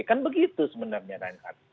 kan begitu sebenarnya ren